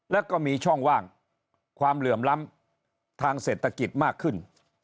แล้วก็มีช่องว่างความเหลื่อมล้ำทางเศรษฐกิจมากขึ้น